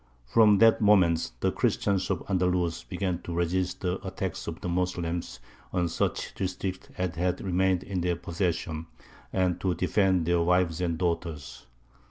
From that moment the Christians of Andalus began to resist the attacks of the Moslems on such districts as had remained in their possession, and to defend their wives and daughters.